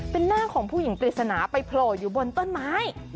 เป็นหน้าของผู้หญิงปริศนาไปโผล่อยู่บนต้นไม้